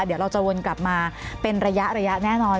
เดี๋ยวเราจะวนกลับมาเป็นระยะแน่นอน